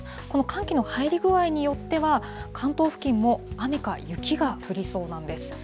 この寒気の入り具合によっては、関東付近も雨か雪が降りそうなんです。